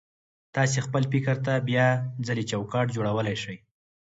تاسې خپل فکر ته بيا ځلې چوکاټ جوړولای شئ.